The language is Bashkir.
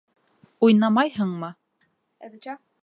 Уйнамайһыңмы?